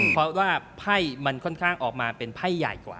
เพราะว่าไพ่มันค่อนข้างออกมาเป็นไพ่ใหญ่กว่า